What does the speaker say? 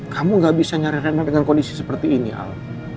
kamu gak bisa nyari rema dengan kondisi seperti ini al